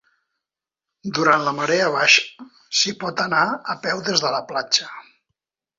Durant la marea baixa, s'hi pot anar a peu des de la platja.